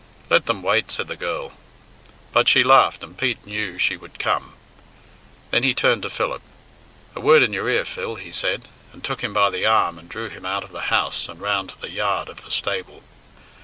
"Let them wait," said the girl, but she laughed, and Pete knew she would come. Then he turned to Philip, "A word in your ear, Phil," he said, and took him by the arm and drew him out of the house and round to the yard of the stable.